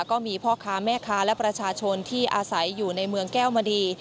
ก็มีพ่อค้าแม่ค้าและประชาชนที่อาศัยอยู่ในเมืองแก้วมณี